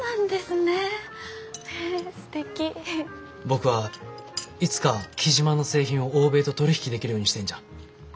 僕はいつか雉真の製品を欧米と取り引きできるようにしたいんじゃ。